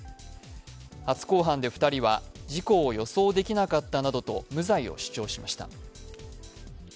初公判で２人は事故を予想できなかったなどと無罪を主張しました。